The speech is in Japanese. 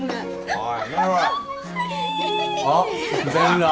おい！